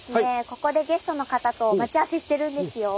ここでゲストの方と待ち合わせしてるんですよ。